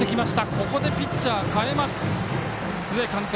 ここでピッチャー代えます須江監督